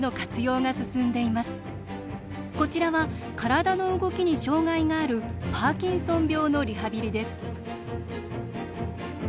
こちらは体の動きに障害があるパーキンソン病のリハビリです。